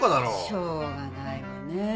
しょうがないわね。